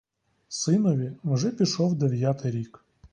Синові вже пішов дев'ятий рік.